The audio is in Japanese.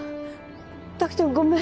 卓ちゃんごめん。